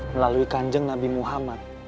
melalui kanjong nabi muhammad